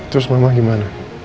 terus mama gimana